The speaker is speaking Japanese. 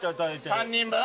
３人分？